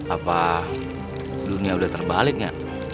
apa dunia udah terbaliknya